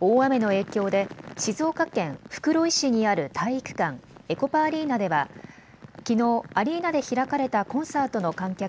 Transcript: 大雨の影響で静岡県袋井市にある体育館、エコパアリーナではきのうアリーナで開かれたコンサートの観客